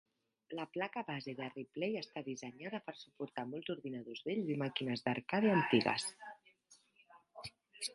La placa base de Replay està dissenyada per suportar molts ordinadors vells i màquines d'arcade antigues.